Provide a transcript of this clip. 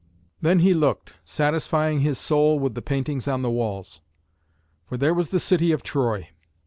Then he looked, satisfying his soul with the paintings on the walls. For there was the city of Troy.